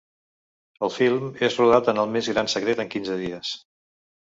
El film és rodat en el més gran secret en quinze dies.